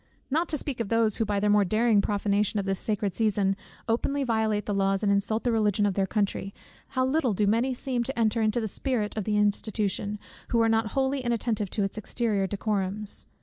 Not to speak of those who by their more daring profanation of this sacred season, openly violate the laws and insult the religion of their country, how little do many seem to enter into the spirit of the institution, who are not wholly inattentive to its exterior decorums!